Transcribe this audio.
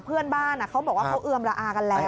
เพื่อนบ้านเขาบอกว่าเขาเอือมละอากันแล้ว